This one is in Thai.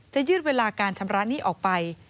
จะยืดเวลาการทำร้านนี้ออกไป